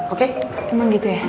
oke emang gitu ya